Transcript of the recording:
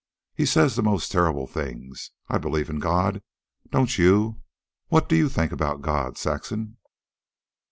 He says the most terrible things. I believe in God. Don't you? What do you think about God, Saxon?"